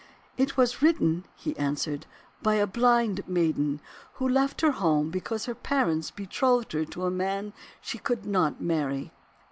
"It was written," answered he, "by a blind maiden, who left her home because her parents betrothed her to a man she could not marry.